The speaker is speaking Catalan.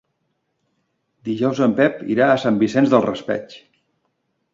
Dijous en Pep irà a Sant Vicent del Raspeig.